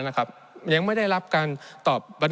ในช่วงที่สุดในรอบ๑๖ปี